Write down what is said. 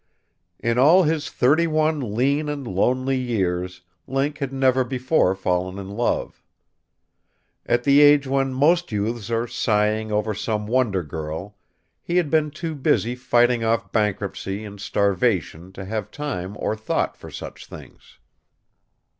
In all his thirty one lean and lonely years Link had never before fallen in love. At the age when most youths are sighing over some wonder girl, he had been too busy fighting off bankruptcy and starvation to have time or thought for such things.